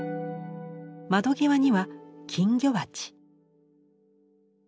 窓際には金魚鉢。